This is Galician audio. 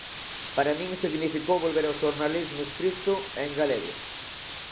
Para min significou volver ao xornalismo escrito e en galego.